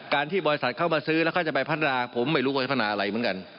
ที่บริษัทเข้ามาซื้อแล้วเขาจะไปพัฒนาผมไม่รู้ว่าจะพัฒนาอะไรเหมือนกัน